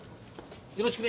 よろしくね。